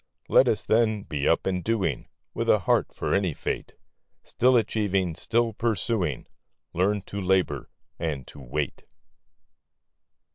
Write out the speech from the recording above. Let us, then, be up and doing, With a heart for any fate ; Still achieving, still pursuing, Learn to labor and to wait.